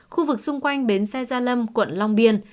khu vực xung quanh bến xe gia lâm quận long biên